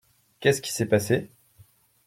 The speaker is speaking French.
Qu’est-ce qui s’est passé ?